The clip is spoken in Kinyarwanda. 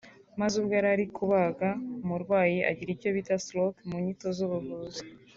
maze ubwo yari ari kubaga umurwayi agira icyo bita “Stroke” mu nyito z’ubuvuzi